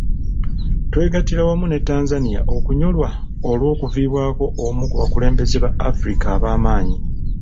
Twegattira wamu ne Tanzania okunyolwa olw'okuviibwako omu ku bakulembeze ba Afirika abaamaanyi.